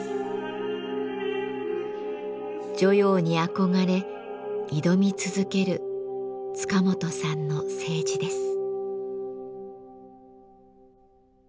汝窯に憧れ挑み続ける塚本さんの青磁です。